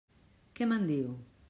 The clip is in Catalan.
Què me'n diu?